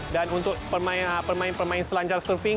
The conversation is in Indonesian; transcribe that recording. dan untuk pemain pemain selancar surfing